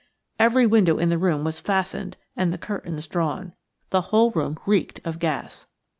Every window in the room was fastened and the curtains drawn. The whole room reeked of gas.